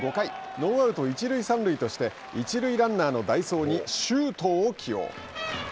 ノーアウト一塁三塁として一塁ランナーの代走に周東を起用。